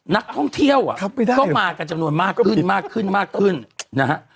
นักท่องเที่ยวก็มากันจำนวนมากขึ้นมากขึ้นมากขึ้นนะฮะ